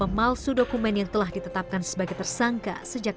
pembalasan kecemasan yang telah ditetapkan sebagai tersangka sejak dua ribu empat belas